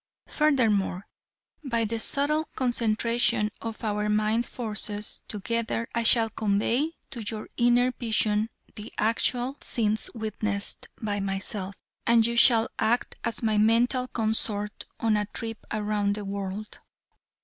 Furthermore, by the subtle concentration of our mind forces together I shall convey to your inner vision the actual scenes witnessed by myself, and you shall act as my mental consort on a trip around the world."